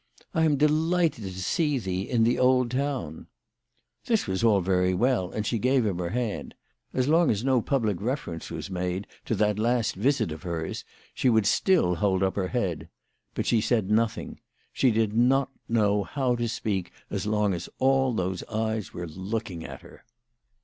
I am delighted to see thee in the old town." This was all very well, and she gave him her hand. As long as no public reference was made to that last visit of hers, she would still hold Tip her head. But she said nothing. She did not know how to speak as long as all those eyes were looking at her.